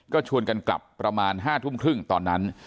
ก็ชวนกันกลับประมาณ๕ทุ่มครึ่งตอนนั้น